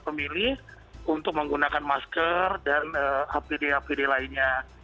pemilih untuk menggunakan masker dan apd apd lainnya